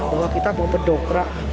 bahwa kita mau pedokrak